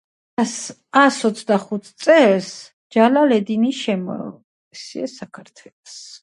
სიმღერის მუსიკა არის მარტივი მელოდიის რის გამოც სიმღერაში ხაზი ესმევა გაგას ვოკალს.